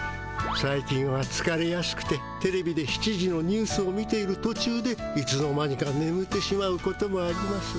最近はつかれやすくてテレビで７時のニュースを見ているとちゅうでいつの間にかねむってしまうこともあります。